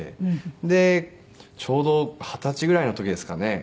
でちょうど二十歳ぐらいの時ですかね。